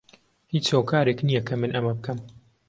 هیچ هۆکارێک نییە کە من ئەمە بکەم.